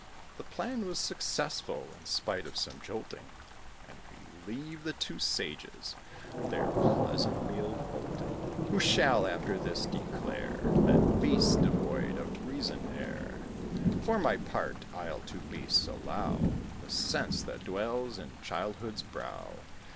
The plan was successful, in spite of some jolting; And we leave the two sages their pleasant meal bolting. Who shall, after this, declare That beasts devoid of reason are? For my part, I'll to beasts allow The sense that dwells in childhood's brow.